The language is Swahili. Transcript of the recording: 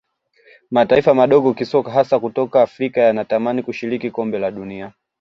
mataifa madogo kisoka hasa kutoka afrika yanatamani kushiriki kombe la dunia